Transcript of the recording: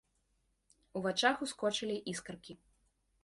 У вачах ускочылі іскаркі.